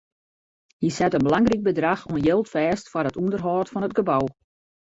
Hy sette in belangryk bedrach oan jild fêst foar it ûnderhâld fan it gebou.